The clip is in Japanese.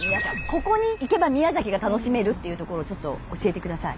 ここに行けば宮崎が楽しめるっていう所をちょっと教えてください。